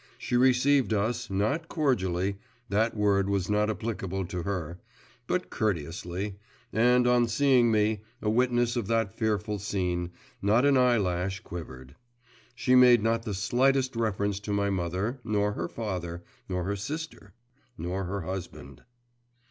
She received us, not cordially that word was not applicable to her but courteously, and on seeing me, a witness of that fearful scene, not an eyelash quivered. She made not the slightest reference to my mother, nor her father, nor her sister, nor her husband.